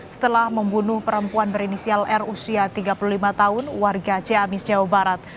setelah membunuh perempuan berinisial r usia tiga puluh lima tahun warga ciamis jawa barat